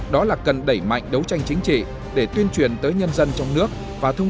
đó là cần đẩy mạnh đấu tranh chính trị để tuyên truyền tới nhân dân trong nước và thông